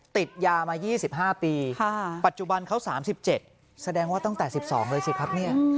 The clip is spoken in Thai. ติดยามา๒๕ปีปัจจุบันเขา๓๗แสดงว่าตั้งแต่๑๒เลยสิครับเนี่ย